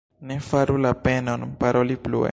Ne faru la penon, paroli plue.